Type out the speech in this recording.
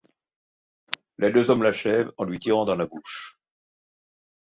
Les deux hommes l’achèvent en lui tirant dans la bouche.